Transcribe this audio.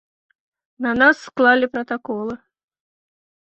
На нас склалі пратаколы.